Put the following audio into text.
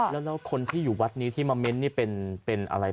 แล้วคนที่อยู่วัดนี้ที่มาเม้นนี่เป็นอะไร